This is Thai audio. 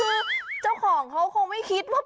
คือเจ้าของเขาคงไม่คิดว่า